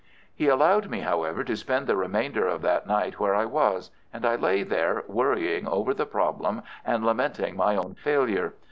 He allowed me, however, to spend the remainder of that night where I was, and I lay there worrying over the problem and lamenting my own failure.